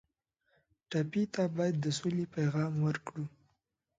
ټپي ته باید د سولې پیغام ورکړو.